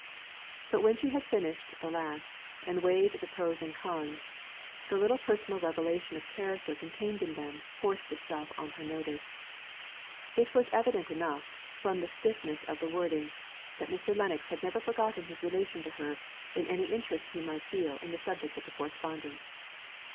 But when she had finished the last, and weighed the pros and cons, the little personal revelation of character contained in them forced itself on her notice. It was evident enough, from the stiffness of the wording, that Mr. Lennox had never forgotten his relation to her in any interest he might feel in the subject of the correspondence.